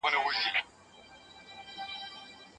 معلم غني سلام وکړ.